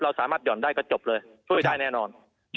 สามารถหย่อนได้ก็จบเลยช่วยได้แน่นอน